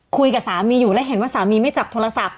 คุยกับสามีอยู่และเห็นว่าสามีไม่จับโทรศัพท์